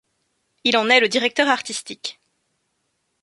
Il en est le directeur artistique.